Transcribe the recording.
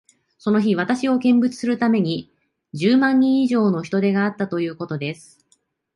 その日、私を見物するために、十万人以上の人出があったということです。